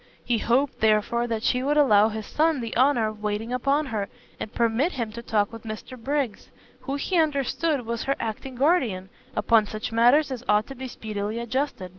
He hoped, therefore, that she would allow his son the honour of waiting upon her, and permit him to talk with Mr Briggs, who he understood was her acting guardian, upon such matters as ought to be speedily adjusted.